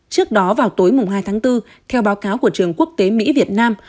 trước đó vào tối hai tháng bốn theo báo cáo của trường quốc tế mỹ việt nam